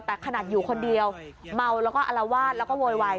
แต่ขนาดอยู่คนเดียวเมาแล้วก็อลวาดแล้วก็โวยวาย